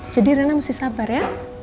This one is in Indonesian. jadi rena mesti sabar ya